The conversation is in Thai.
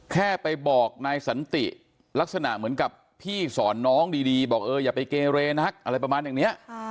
แค่ไปบอกนายสันติลักษณะเหมือนกับพี่สอนน้องดีบอกเอออย่าไปเกเรนักอะไรประมาณอย่างนี้